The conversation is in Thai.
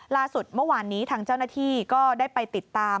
ล่าสุดเมื่อวานนี้ทางเจ้าหน้าที่ก็ได้ไปติดตาม